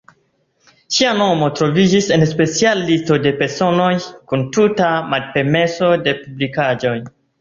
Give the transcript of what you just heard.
La temo plej elstara estas la venĝo, ĉefa motoro de la agado.